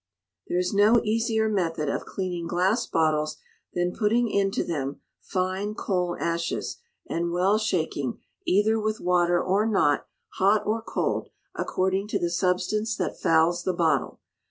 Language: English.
There is no easier method of cleaning glass bottles than putting into them fine coal ashes, and well shaking, either with water or not, hot or cold, according to the substance that fouls the bottle.